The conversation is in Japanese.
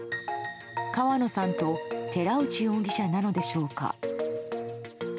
川野さんと寺内容疑者なのでしょうか。